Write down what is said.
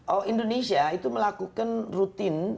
oh indonesia itu melakukan rutin